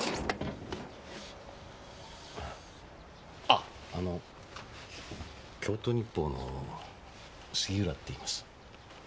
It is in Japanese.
あっあの京都日報の杉浦っていいます。